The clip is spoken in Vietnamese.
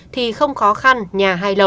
thì không khó khăn